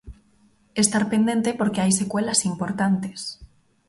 Estar pendente porque hai secuelas importantes.